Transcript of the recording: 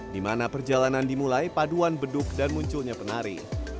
di mana perjalanan dimulai paduan beduk dan munculnya penari